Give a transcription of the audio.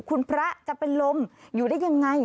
คุณพระจะเป็นลมอยู่ได้ยังไง